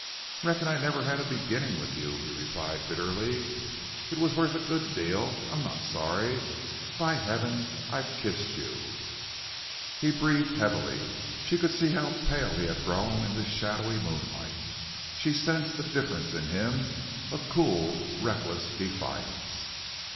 "Reckon I never had a beginning with you," he replied, bitterly. "It was worth a good deal... I'm not sorry... By Heaven I've kissed you!" He breathed heavily. She could see how pale he had grown in the shadowy moonlight. She sensed a difference in him a cool, reckless defiance.